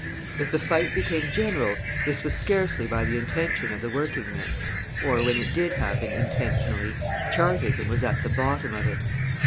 If the fight became general, this was scarcely by the intention of the working men; or, when it did happen intentionally, Chartism was at the bottom of it.